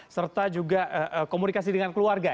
serta juga komunikasi dengan keluarga